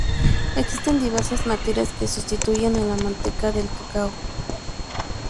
Existen diversas materias que sustituyen a la manteca del cacao.